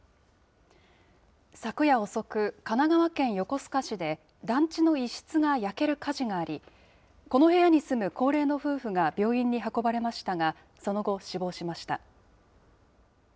昨夜遅く、神奈川県横須賀市で、団地の一室が焼ける火事があり、この部屋に住む高齢の夫婦が病院に運ばれましたが、その後、死亡しました。